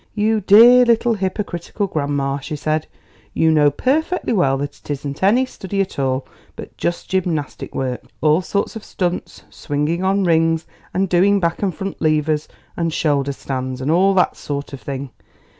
"You dear little hypocritical grandma!" she said; "you know perfectly well that it isn't any study at all, but just gymnastic work all sorts of stunts, swinging on rings and doing back and front levers and shoulder stands and all that sort of thing.